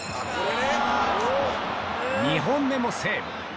２本目もセーブ